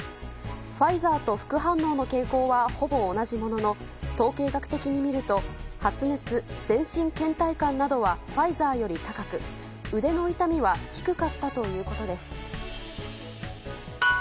ファイザーと副反応の傾向はほぼ同じものの統計学的に見ると発熱、全身倦怠感などはファイザーより高く腕の痛みは低かったということです。